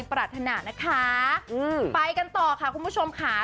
ไปกันต่อค่ะคุณผู้ชมค่ะ